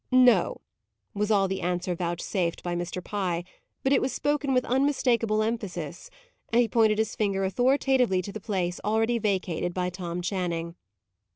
"No," was all the answer vouchsafed by Mr. Pye, but it was spoken with unmistakable emphasis, and he pointed his finger authoritatively to the place already vacated by Tom Channing.